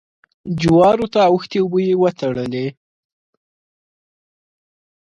جوارو ته اوښتې اوبه يې وتړلې.